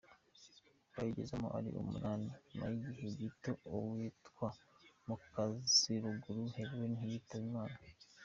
Bayigezemo ari umunani nyuma y’igihe gito uwitwa Mukaziruguru Helene yitaba Imana.